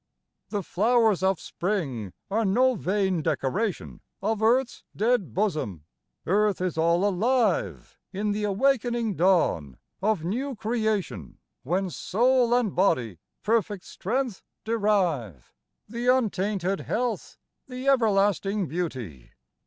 The flowers of spring are no vain decoration Of Earth's dead bosom ; Earth is all alive In the awakening dawn of new creation, Whence soul and body perfect strength derive ; The untainted health, the everlasting beauty